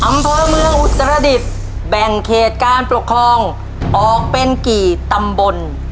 อำเภอเมืองอุตรดิษฐ์แบ่งเขตการปกครองออกเป็นกี่ตำบล